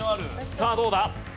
さあどうだ？